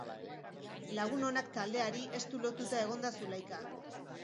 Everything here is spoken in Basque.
Lagun Onak taldeari estu lotuta egon da Zulaika.